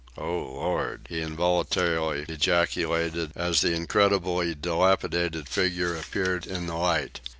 O Lord!" he involuntarily ejaculated as the incredibly dilapidated figure appeared in the light.